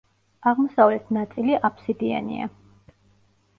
აღმოსავლეთ ნაწილი აფსიდიანია.